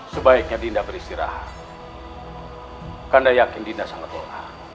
sebaiknya dinda beristirahat karena yakin didasar